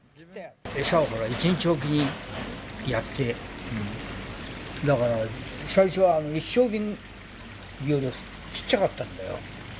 餌を１日置きにやって、だから、最初は一升瓶よりちっちゃかったんだよ。